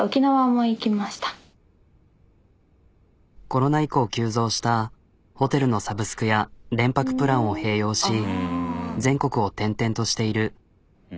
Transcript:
コロナ以降急増したホテルのサブスクや連泊プランを併用し全国を転々としている。